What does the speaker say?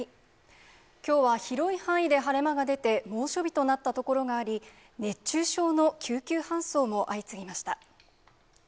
きょうは広い範囲で晴れ間が出て、猛暑日となった所があり、熱中症の救急搬送も相次ぎました。